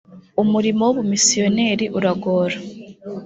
umurimo w ubumisiyoneri uragora.